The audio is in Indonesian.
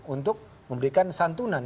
untuk memberikan santunan